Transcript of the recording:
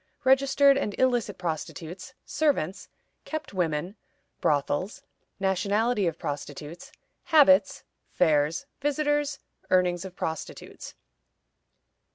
Registered and illicit Prostitutes. Servants. Kept women. Brothels. Nationality of Prostitutes. Habits. Fairs. Visitors. Earnings of Prostitutes.